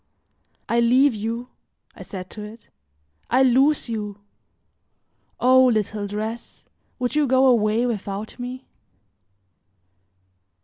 "I leave you!" I said to it; "I lose you! O little dress, would you go away without me?"